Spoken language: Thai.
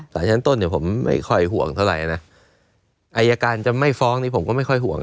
สารชั้นต้นเนี่ยผมไม่ค่อยห่วงเท่าไหร่นะอายการจะไม่ฟ้องนี้ผมก็ไม่ค่อยห่วง